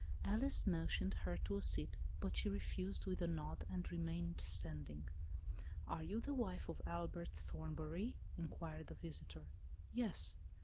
Alice motioned her to a seat, but she refused, with a nod, and remained standing. "Are you the' wife of Albert Thornbury," in quired the visitor. " Yes."